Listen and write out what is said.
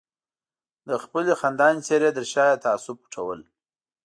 د خپلې خندانې څېرې تر شا یې تعصب پټول.